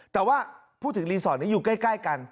แต่ว่าพูดถึงรีสอร์ทนี้อยู่ใกล้กัน